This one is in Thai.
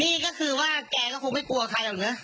นี่ก็คือว่าแกก็คงไม่กลัวใครหรอกนะ